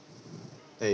jauh apa yang bisa ditemukan